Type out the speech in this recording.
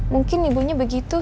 mungkin ibunya begitu